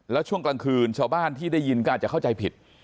แล้วช่วงกลางคืนชาวบ้านที่ได้ยินก็อาจจะเข้าใจผิด